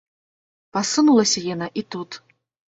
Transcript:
Пасунулася яна і тут.